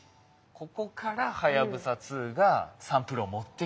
ここからはやぶさ２がサンプルを持ってきたと。